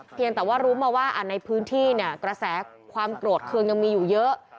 เพียงแต่ว่ารู้มาว่าในพื้นที่เนี่ยกระแสความโกรธเครื่องยังมีอยู่เยอะ